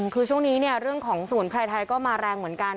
คือช่วงนี้เนี่ยเรื่องของสมุนไพรไทยก็มาแรงเหมือนกัน